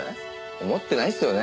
思ってないっすよね？